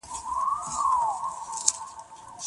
آیا علم د جهالت تیارې له منځه وړي؟